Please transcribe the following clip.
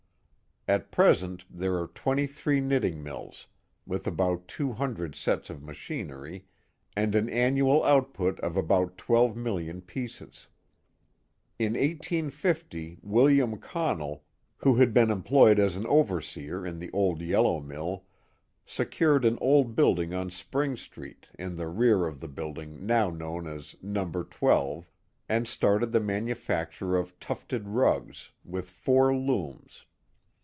At present there are twenty three knitting mills, with about two hundred sets of machinery and an annual output of about 12,000,000 pieces. In 1850 William Connell, who had been employed as an overseer in the old yellow mill, secured an old building on Spring Street in the rear of the building now known as No. 1 2 and started the manufacture of tufted rugs, with four looms.